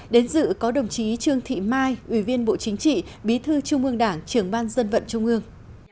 đến dự có đồng chí trương thị mai ủy viên bộ chính trị bí thư trung ương đảng trưởng ban dân vận trung ương